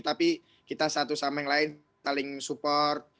tapi kita satu sama yang lain saling support